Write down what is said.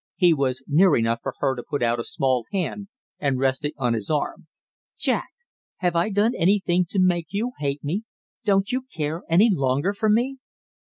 He was near enough for her to put out a small hand and rest it on his arm. "Jack, have I done anything to make you hate me? Don't you care any longer for me?"